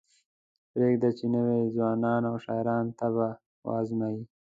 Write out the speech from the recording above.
پریږدئ چې نوي ځوانان او شاعران طبع وازمایي.